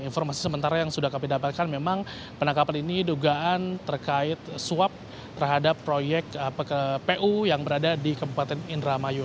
informasi sementara yang sudah kami dapatkan memang penangkapan ini dugaan terkait suap terhadap proyek pu yang berada di kabupaten indramayu